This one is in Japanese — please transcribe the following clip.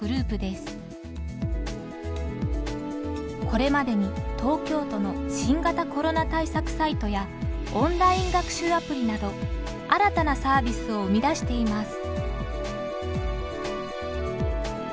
これまでに東京都の新型コロナ対策サイトやオンライン学習アプリなど新たなサービスを生み出しています。